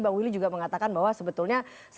kalau terkait dengan